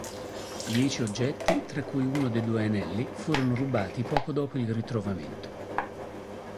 Dieci oggetti, tra cui uno dei due anelli, furono rubati poco dopo il ritrovamento.